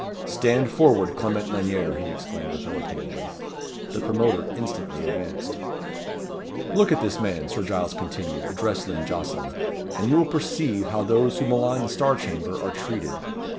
"Stand forward, Clement Lanyere," he exclaimed, authoritatively. The promoter instantly advanced. "Look at this man," Sir Giles continued, addressing Jocelyn; "and you will perceive how those who malign the Star Chamber are treated.